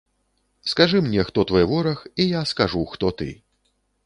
Скажы мне, хто твой вораг, і я скажу, хто ты.